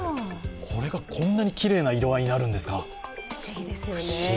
これが、こんなにきれいな色合いになるんですか。